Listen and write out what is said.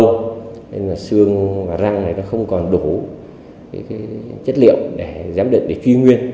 nên là xương và răng này nó không còn đủ cái chất liệu để giám đựng để truy nguyên